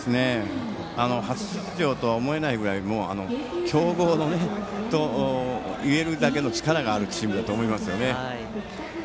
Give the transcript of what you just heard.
初出場とは思えないぐらい強豪といえるだけの力があるチームだと思います。